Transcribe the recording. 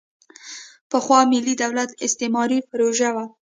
پخوا ملي دولت استعماري پروژه وه.